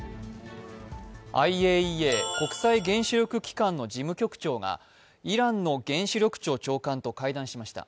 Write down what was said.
ＩＡＥＡ＝国際原子力機関の事務局長がイランの原子力庁長官と会談しました。